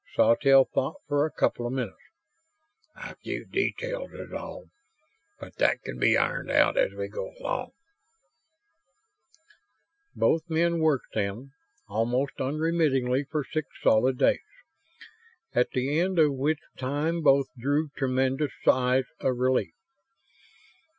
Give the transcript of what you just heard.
Sawtelle thought for a couple of minutes. "A few details, is all. But that can be ironed out as we go along." Both men worked then, almost unremittingly for six solid days; at the end of which time both drew tremendous sighs of relief.